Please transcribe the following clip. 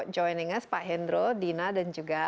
joining us pak hendro dina dan juga